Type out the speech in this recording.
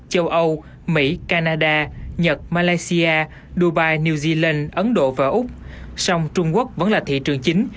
châu âu mỹ canada nhật malaysia dubai new zealand ấn độ và úc song trung quốc vẫn là thị trường chính